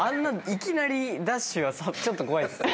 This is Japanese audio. いきなりダッシュはちょっと怖いですね。